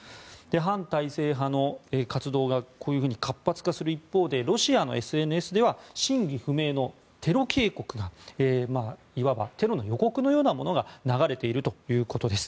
反体制派の活動がこのように活発化する一方でロシアのＳＮＳでは真偽不明のテロ警告がいわばテロの予告のようなものが流れているということです。